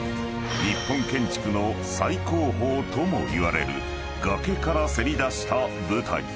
［日本建築の最高峰ともいわれる崖からせり出した舞台］